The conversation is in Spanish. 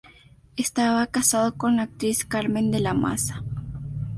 Estaba casado con la actriz Carmen de la Maza.